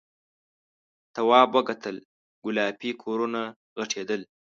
تواب وکتل گلابي کورونه غټېدل.